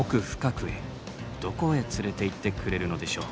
どこへ連れていってくれるのでしょう？